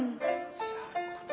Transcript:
じゃあこちら。